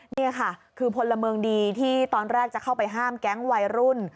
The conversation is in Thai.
นี่ค่ะคือพลเมืองดีที่ตอนแรกจะเข้าไปห้ามแก๊งวัยรุ่น